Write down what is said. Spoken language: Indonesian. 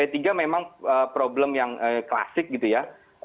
dua puluh tujuh e tiga memang problem yang klasik gitu ya